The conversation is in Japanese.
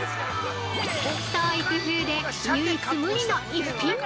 ◆創意工夫で唯一無二の一品に。